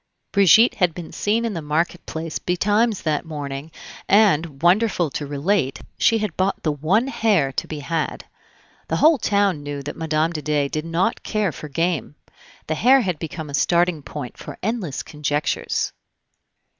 Brigitte had been seen in the market place betimes that morning, and, wonderful to relate, she had bought the one hare to be had. The whole town knew that Mme. de Dey did not care for game. The hare became a starting point for endless conjectures.